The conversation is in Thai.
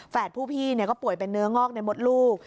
ผู้พี่ก็ป่วยเป็นเนื้องอกในมดลูก